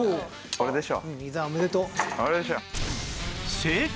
これでしょ。